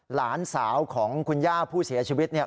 หลานสาวของคุณย่าผู้เสียชีวิตเนี่ย